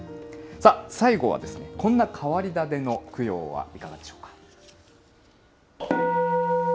最後は、こんな変わり種の供養はいかがでしょうか。